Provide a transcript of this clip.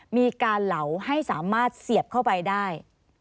มีการเหลาให้สามารถเสียบเข้าไปได้